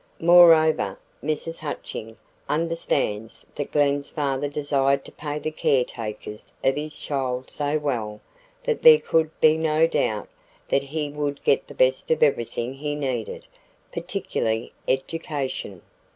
Moreover, Mrs. Hutching understands that Glen's father desired to pay the caretakers of his child so well that there could be no doubt that he would get the best of everything he needed, particularly education.